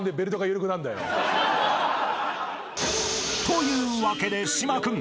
［というわけで島君。